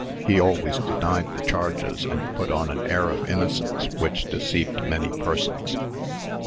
He always denied the charges, and put on an air of innocence, which deceived many persons.